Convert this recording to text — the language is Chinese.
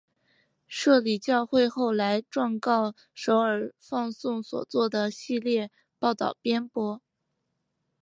摄理教会后来状告首尔放送所做的系列报导偏颇。